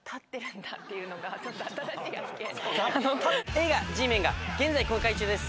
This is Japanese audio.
映画「Ｇメン」が現在公開中です。